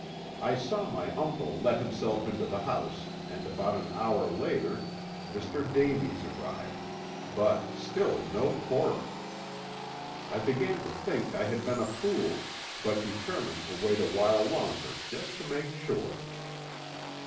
I saw my uncle let himself into the house and about an hour later Mr. Davies arrived, but still no Cora. I began to think I had been a fool, but determined to wait a while longer just to make sure.